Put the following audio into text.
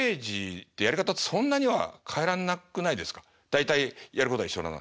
大体やることは一緒なの。